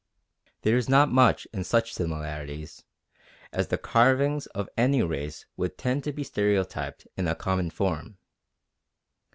There is not much in such similarities, as the carvings of any race would tend to be stereotyped in a common form.